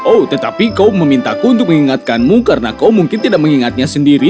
oh tetapi kau memintaku untuk mengingatkanmu karena kau mungkin tidak mengingatnya sendiri